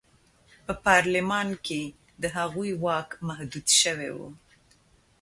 په پارلمان کې د هغوی واک محدود شوی و.